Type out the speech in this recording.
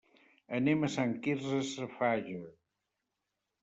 Anem a Sant Quirze Safaja.